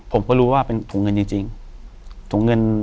ผมก็รู้ว่าเป็นถุงเงินจริง